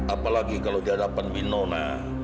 apalagi kalau di hadapan binona